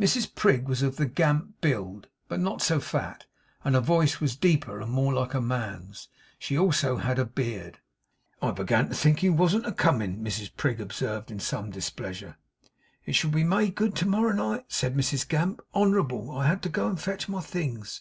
Mrs Prig was of the Gamp build, but not so fat; and her voice was deeper and more like a man's. She had also a beard. 'I began to think you warn't a coming!' Mrs Prig observed, in some displeasure. 'It shall be made good to morrow night,' said Mrs Gamp 'Honorable. I had to go and fetch my things.